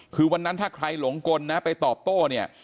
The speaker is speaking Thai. คือวันนั้นถ้าใครหลงกลนะไปตอบโต้เนี่ย